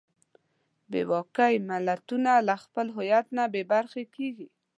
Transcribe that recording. بې خپلواکۍ ملتونه له خپل هویت نه بېبرخې کېږي.